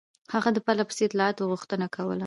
هغه د پرله پسې اطلاعاتو غوښتنه کوله.